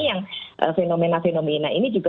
yang fenomena fenomena ini juga